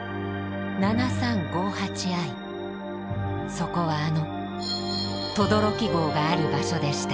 そこはあの轟壕がある場所でした。